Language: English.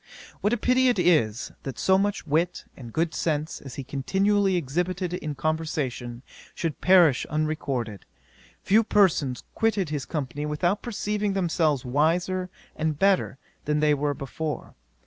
'What pity it is, that so much wit and good sense as he continually exhibited in conversation, should perish unrecorded! Few persons quitted his company without perceiving themselves wiser and better than they were before.